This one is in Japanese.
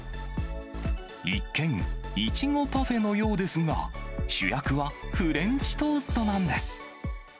一見、いちごパフェのようですが、主役はフレンチトーストなんです。